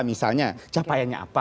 misalnya capaiannya apa